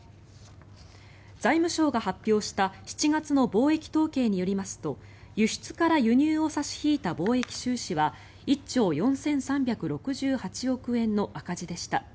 財務省が発表した７月の貿易統計によりますと輸出から輸入を差し引いた貿易収支は１兆４３６８億円の赤字でした。